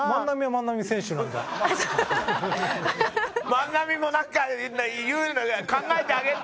万波もなんか言うの考えてあげて。